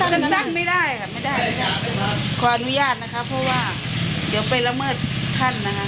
ขึ้นสร้างไม่ได้ค่ะขออนุญาตนะคะเพราะว่าเดี๋ยวไปละเมิดท่านนะคะ